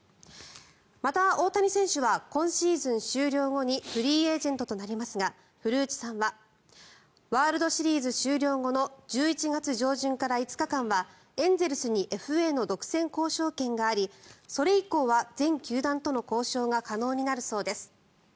また、大谷選手は今シーズン終了後にフリーエージェントとなりますが古内さんはワールドシリーズ終了後の１１月上旬から５日間はエンゼルスにＦＡの独占交渉権がありそれ以降は全球団との交渉が可能になるそうです。